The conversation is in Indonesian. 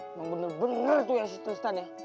emang bener bener tuh ya tristan ya